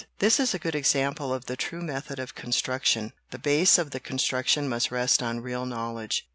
This is a good example of the true method of construction. The base of the construction must rest on real knowledge.